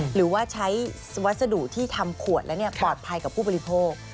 หรือว่าใช้วัสดุที่ทำขวดแล้วปลอดภัยกับผู้บริโภค